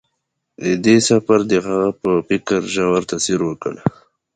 دې سفر د هغه په فکر ژور تاثیر وکړ.